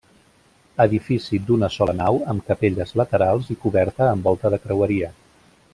Edifici d'una sola nau amb capelles laterals i coberta amb volta de creueria.